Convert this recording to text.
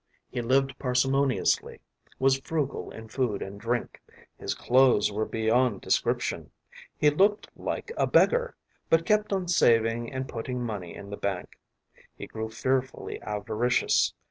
He lived parsimoniously, was frugal in food and drink, his clothes were beyond description; he looked like a beggar, but kept on saving and putting money in the bank. He grew fearfully avaricious.